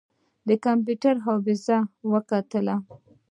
د کمپيوټر حافظه يې وکتله.